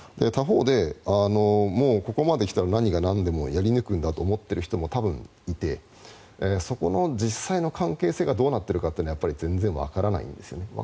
他方でもうここまで来たら何がなんでもやり抜くんだと思っている人も多分いてそこの実際の関係性がどうなっているのかというのは全然わからないんですよね。